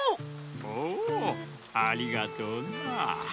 おおありがとうな。